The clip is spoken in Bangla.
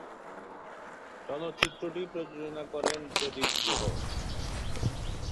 চলচ্চিত্রটি প্রযোজনা করেন প্রদীপ গুহ।